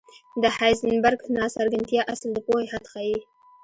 د هایزنبرګ ناڅرګندتیا اصل د پوهې حد ښيي.